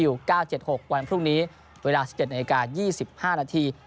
วันพรุ่งนี้เวลา๑๗นาที๒๕นาที